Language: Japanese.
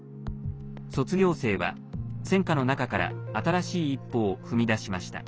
卒業生は戦禍の中から新しい一歩を踏み出しました。